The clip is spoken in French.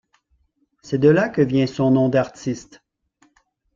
C'est de là que vient son nom d'artiste.